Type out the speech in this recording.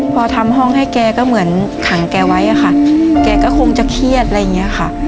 พอทำห้องให้แกก็เหมือนขังแกไว้อะค่ะแกก็คงจะเครียดอะไรอย่างนี้ค่ะ